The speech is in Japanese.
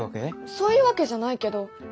そういうわけじゃないけど。